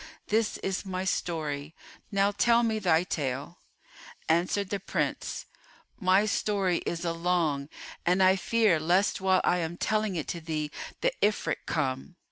This is my story: now tell me thy tale." Answered the Prince, "My story is a long and I fear lest while I am telling it to thee the Ifrit come."